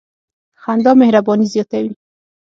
• خندا مهرباني زیاتوي.